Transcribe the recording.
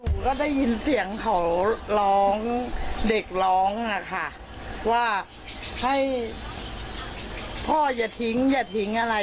หนูก็ได้ยินเสียงเขาร้องเด็กร้องนะคะว่าให้พ่ออย่าทิ้งอย่าทิ้งอะไร